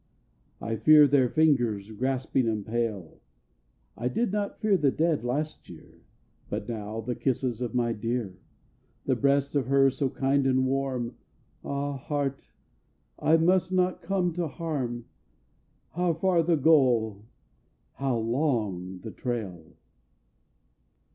I fear their fingers, grasping and pale. I did not fear the dead last year But now, the kisses of my dear! The breast of her, so kind and warm, Ah, heart! I must not come to harm How far the goal! How long the trail!